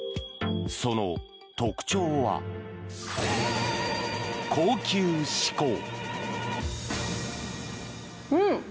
その特徴は、高級志向。